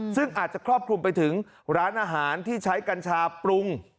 ซึ่งอาจจะครอบคลุมไปถึงร้านอาหารที่ใช้กัญชาปรุง